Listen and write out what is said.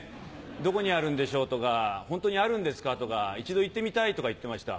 「どこにあるんでしょう」とか「ホントにあるんですか」とか「一度行ってみたい」とか言ってました。